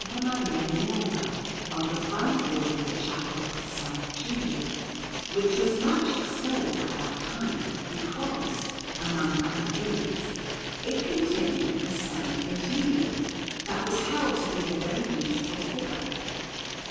Maria Nuova, on the front wall of the Chapel of S. Gilio, which was much extolled at that time, because, among other things, it contained a S. Egidio that was held to be a very beautiful figure.